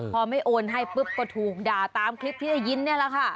พอไม่โอนให้ปุ๊บก็ถูกด่าตามคลิปที่ได้ยินนี่แหละค่ะ